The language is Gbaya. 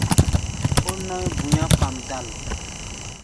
Ó nɔ̧́í̧ bu̧i̧á̧ kpamdal.